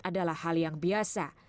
adalah hal yang biasa